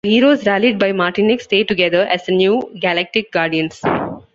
The heroes, rallied by Martinex, stay together as the new Galactic Guardians.